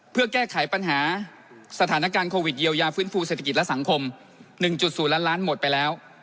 เพื่อแก้ไขปัญหาสถานการณ์โควิดเยียวยาฟื้นฟูเศรษฐกิจและสังคม๑๐ล้านล้านหมดไปแล้ว